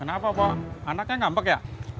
kenapa pak anaknya ngambek ya